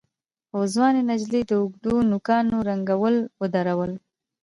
خو ځوانې نجلۍ د اوږدو نوکانو رنګول ودرول.